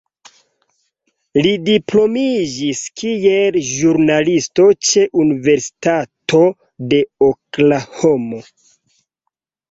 Li diplomiĝis kiel ĵurnalisto ĉe Universitato de Oklahomo.